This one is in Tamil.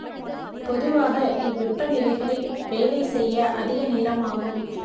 பொதுவாக இவ்வெப்ப நிலைகளில் வேலை செய்ய அதிக நேரமாகும்.